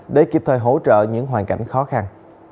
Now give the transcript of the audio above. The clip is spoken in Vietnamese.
để kịp thời hỗ trợ những hoàn cảnh khó khăn